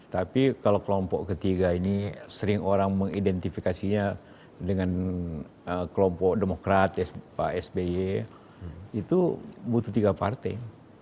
tapi kalau kelompok ketiga ini sering orang mengidentifikasinya dengan kelompok demokrat pak sby itu butuh tiga partai